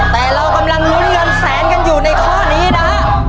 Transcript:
แต่เรากำลังลุ้นเงินแสนกันอยู่ในข้อนี้นะฮะ